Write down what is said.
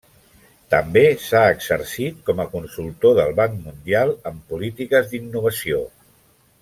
També s'ha exercit com a consultor del Banc Mundial en Polítiques d'Innovació.